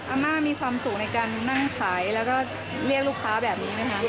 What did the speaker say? อาม่ามีความสุขในการนั่งขายแล้วก็เรียกลูกค้าแบบนี้ไหมคะ